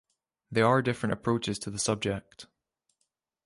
There are different approaches to the subject.